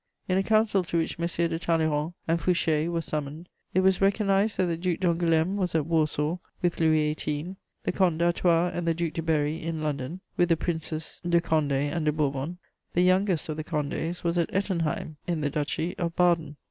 In a council to which Messieurs de Talleyrand and Fouché were summoned, it was recognised that the Duc d'Angoulême was at Warsaw, with Louis XVIII.; the Comte d'Artois and the Duc de Berry in London, with the Princes de Condé and de Bourbon. The youngest of the Condés was at Ettenheim, in the Duchy of Baden.